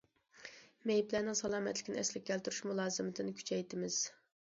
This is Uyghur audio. مېيىپلەرنىڭ سالامەتلىكىنى ئەسلىگە كەلتۈرۈش مۇلازىمىتىنى كۈچەيتىمىز.